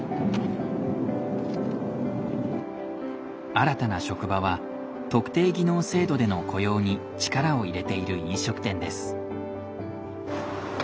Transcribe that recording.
新たな職場は特定技能制度での雇用に力を入れている飲食店です。